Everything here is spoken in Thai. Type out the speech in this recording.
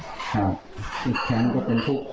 อีกแขนก็เป็นทุกข์